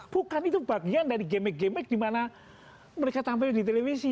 bukan itu bagian dari game game di mana mereka tampil di televisi